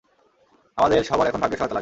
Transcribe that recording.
আমাদের সবার এখন ভাগ্যের সহায়তা লাগবে।